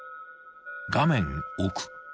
［画面奥］